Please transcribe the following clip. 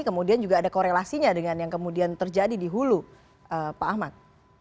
kemudian juga ada korelasinya dengan yang kemudian terjadi di hulu pak ahmad